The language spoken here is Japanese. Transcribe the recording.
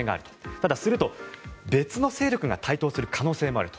ただ、すると別の勢力が台頭する可能性もあると。